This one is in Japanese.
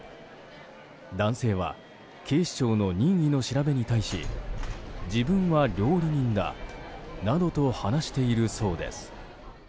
男性は警視庁の任意の調べに対し自分は料理人だなどと話しているそうです。